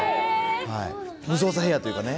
無造作ヘアーというかね。